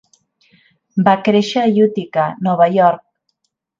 Va créixer a Utica, Nova York.